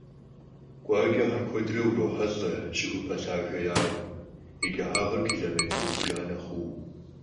КъуакӀэхэм куэдрэ урохьэлӀэ щыхупӀэ лъагэ яӀэу, и кӀыхьагъыр километр зыбжанэ хъууэ.